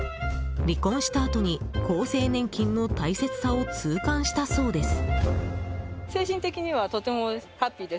離婚したあとに、厚生年金の大切さを痛感したそうです。